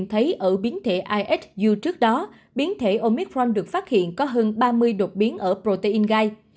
như thấy ở biến thể ihu trước đó biến thể omicron được phát hiện có hơn ba mươi đột biến ở protein gai